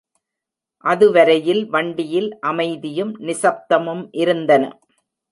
அதுவரையில் வண்டியில் அமைதியும் நிசப்தமும் இருந்தன.